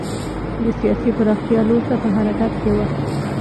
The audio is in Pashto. د سیاسي پراختیا لور ته په حرکت کې و.